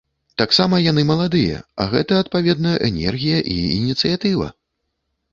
Таксама яны маладыя, а гэта, адпаведна, энергія і ініцыятыва.